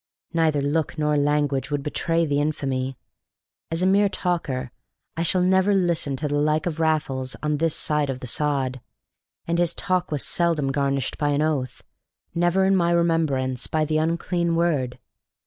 Neither look nor language would betray the infamy. As a mere talker, I shall never listen to the like of Raffles on this side of the sod; and his talk was seldom garnished by an oath, never in my remembrance by the unclean word.